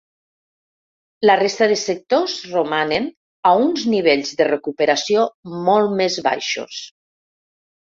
La resta de sectors romanen a uns nivells de recuperació molt més baixos.